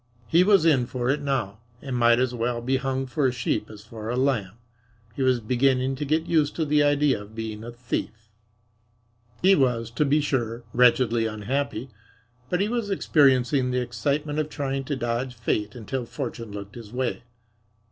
He was in for it now and might as well be hung for a sheep as for a lamb. He was beginning to get used to the idea of being a thief. He was, to be sure, wretchedly unhappy, but he was experiencing the excitement of trying to dodge Fate until Fortune looked his way.